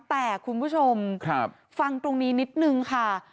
แต่คุณผู้ชมฟังตรงนี้นิดนึงค่ะ